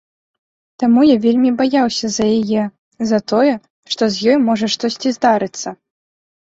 Таму я вельмі баяўся за яе, за тое, што з ёй можа штосьці здарыцца.